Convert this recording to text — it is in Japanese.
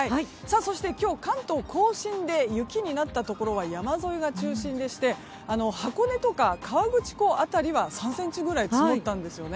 そして関東・甲信で雪になったところは山沿いが中心でして箱根とか、河口湖辺りは３ｃｍぐらい積もったんですね。